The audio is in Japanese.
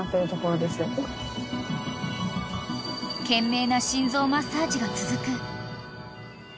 ［懸命な心臓マッサージが続く］